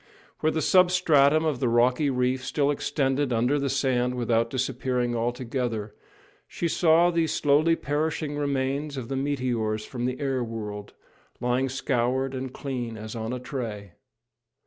Where the substratum of the rocky reef still extended under the sand without disappearing altogether, she saw these slowly perishing remains of the meteors from the air world, lying scoured and clean as on a tray.